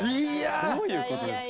どういうことですか？